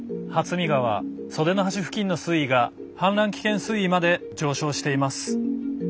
見川袖乃橋付近の水位が氾濫危険水位まで上昇しています。